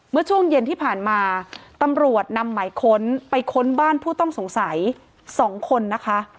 เมื่อช่วงเย็นที่ผ่านมาตำรวจนำหมายค้นไปค้นบ้านผู้ต้องสงสัย๒คนนะคะ